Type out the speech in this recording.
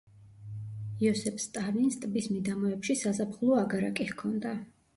იოსებ სტალინს ტბის მიდამოებში საზაფხულო აგარაკი ჰქონდა.